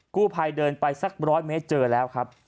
กู้ภัยเดินไปสัก๑๐๐เมตรเจอแล้วครับ